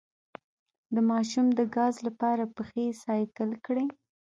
د ماشوم د ګاز لپاره پښې سایکل کړئ